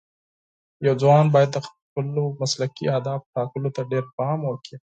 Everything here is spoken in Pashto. یو ځوان باید د خپلو مسلکي اهدافو ټاکلو ته ډېر پام وکړي.